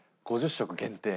５０食限定。